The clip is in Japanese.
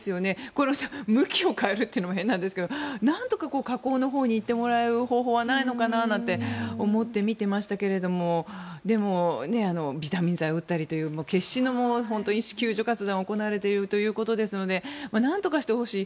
これ、向きを変えるっていうのも変なんですがなんとか河口のほうに行ってもらう方法はないのかななんて思って見ていましたがでもビタミン剤を打ったりという決死の救助活動が行われているということですのでなんとかしてほしい。